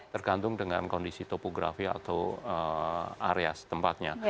tergantung dengan kondisi topografi atau area tempatnya